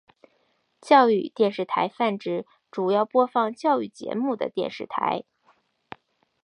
教育电视台泛指主要播放教育节目的电视台。